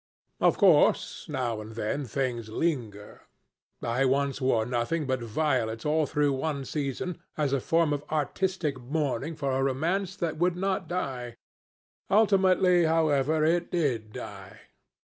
Of course, now and then things linger. I once wore nothing but violets all through one season, as a form of artistic mourning for a romance that would not die. Ultimately, however, it did die.